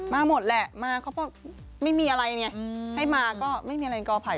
มาหมดแหละมาเขาบอกไม่มีอะไรเนี่ยอืมให้มาก็ไม่มีอะไรก่อภัย